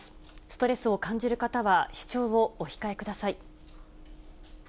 ストレスを感じる方は、視聴をお控えください。